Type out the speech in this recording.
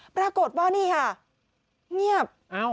ปรากฏว่านี่ค่ะเงียบ